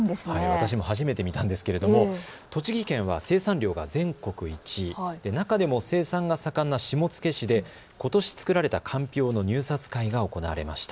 私も初めて見たんですけれども栃木県は生産量が全国１位、中でも生産が盛んな下野市でことし作られたかんぴょうの入札会が行われました。